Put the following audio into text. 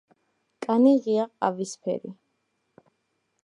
კანი ღია ყავისფერი.